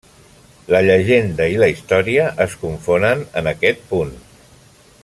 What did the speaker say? La llegenda i la història es confonen en aquest punt.